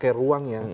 ruangnya ruangnya saja